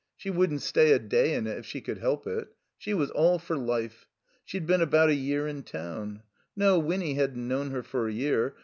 She wouldn't stay a day in it if she could help it. She was all for life. She'd been about a year in town. No, Winny hadn't known her for a year.